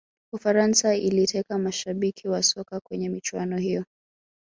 ufaransa iliteka mashabiki wa soka kwenye michuano hiyo